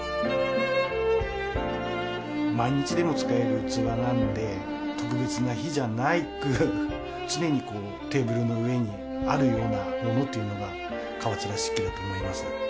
毎日でも使える器なので特別な日じゃなく常にテーブルの上にあるようなものっていうのが川連漆器だと思います